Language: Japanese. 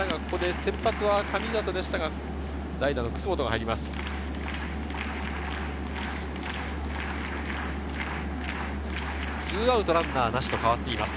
先発は神里でしたが、代打・楠本が入ります。